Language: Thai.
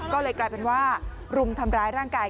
ก็เลยกลายเป็นว่ารุมทำร้ายร่างกาย